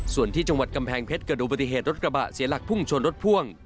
ส่วนที่จังหวัดกำแพงเพชรเกิดดูปฏิเหตุรถกระบะเสียหลักพุ่งชนรถพ่วง